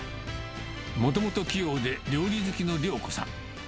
もともと器用で料理好きの亮子さん。